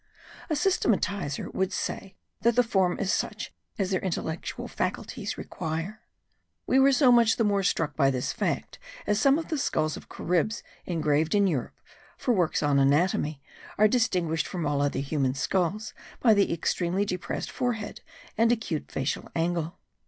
A systematizer would say that the form is such as their intellectual faculties require. We were so much the more struck by this fact as some of the skulls of Caribs engraved in Europe, for works on anatomy, are distinguished from all other human skulls by the extremely depressed forehead and acute facial angle.